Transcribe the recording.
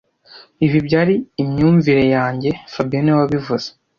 Ibi byari imyumvire yanjye fabien niwe wabivuze